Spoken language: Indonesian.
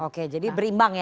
oke jadi berimbang ya